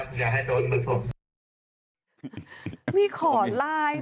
พอบ้านใจกลัว